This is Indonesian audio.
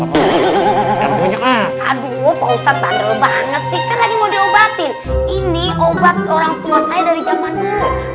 aduh pak ustadz tandel banget sih kan lagi mau diobatin ini obat orang tua saya dari zaman dulu